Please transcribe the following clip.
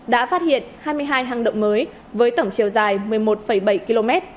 đã phát hiện hai mươi hai hang động mới với tổng chiều dài một mươi một bảy km